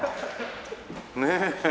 ねえ。